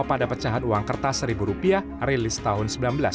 pada pecahan uang kertas rp satu rilis tahun seribu sembilan ratus delapan puluh